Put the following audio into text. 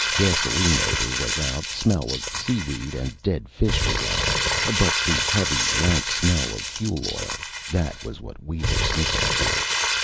Gasoline odor was out; smell of seaweed and dead fish was out; but the heavy, rank smell of fuel oil, that was what we were sniffing for.